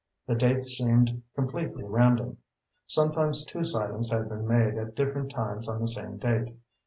The dates seemed completely random. Sometimes two sightings had been made at different times on the same date.